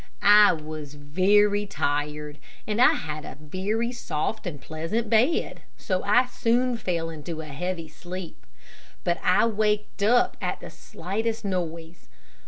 I was very tired, and I had a very soft and pleasant bed, so I soon fell into a heavy sleep. But I waked up at the slightest noise.